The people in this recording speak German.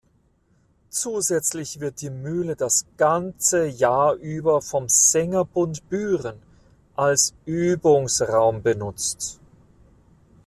Zusätzlich wird die Mühle das ganze Jahr über vom Sängerbund Büren als Übungsraum benutzt.